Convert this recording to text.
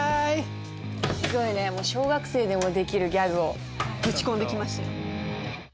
小学生でもできるギャグをぶち込んできましたよ。